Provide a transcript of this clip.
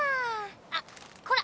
あっこら！